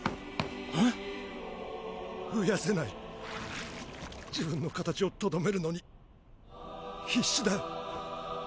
増やせない自分の形を留めるのに必死だ。